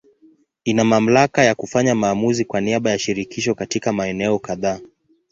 Ina mamlaka ya kufanya maamuzi kwa niaba ya Shirikisho katika maeneo kadhaa.